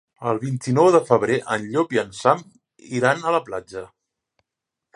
El vint-i-nou de febrer en Llop i en Sam iran a la platja.